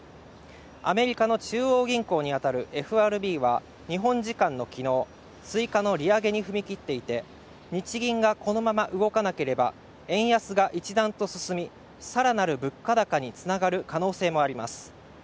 アメリカの中央銀行にあたるＦＲＢは日本時間のきのう追加の利上げに踏み切っていて日銀がこのまま動かなければ円安が一段と進みさらなる物価高につながる可能性もあります